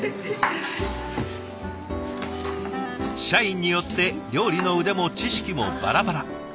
社員によって料理の腕も知識もバラバラ。